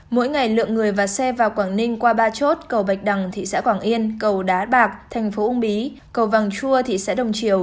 mỗi ngày lượng người và xe vào quảng ninh qua ba chốt cầu bạch đằng thị xã quảng yên cầu đá bạc thành phố uông bí cầu vàng chua thị xã đồng triều